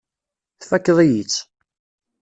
Tfakkeḍ-iyi-tt.